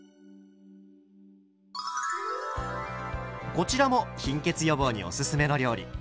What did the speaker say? こちらも貧血予防におすすめの料理。